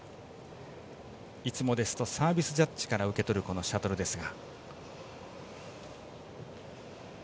いつもですとサービスジャッジから受け取るシャトルですが。